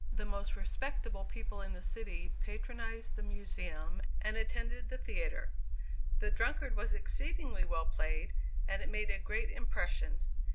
The most respectable people in the city patronized the Museum and attended the theatre. "The Drunkard" was exceedingly well played and it made a great impression.